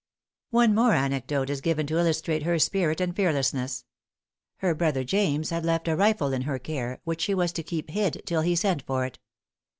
One more anecdote is given to illustrate her spirit and fearlessness. Her brother James had left a rifle in her care, which she was to keep hid till he sent for it.